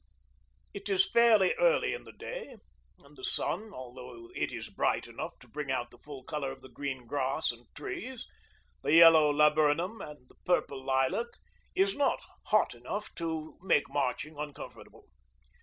It is fairly early in the day, and the sun, although it is bright enough to bring out the full colour of the green grass and trees, the yellow laburnum, and the purple lilac, is not hot enough to make marching uncomfortable.